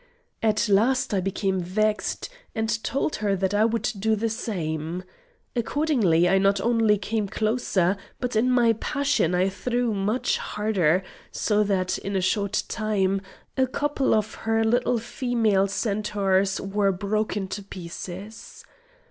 At last I became vexed, and told her that I would do the same. Accordingly, I not only came closer, but in my passion, I threw much harder, so that, in a short time, a couple of her little female centaurs were broken to pieces.